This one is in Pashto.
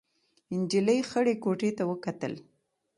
نجلۍ خړې کوټې ته وکتل.